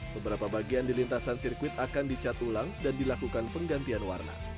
beberapa bagian di lintasan sirkuit akan dicat ulang dan dilakukan penggantian warna